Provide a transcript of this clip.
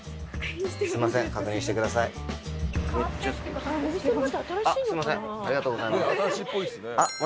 すいません。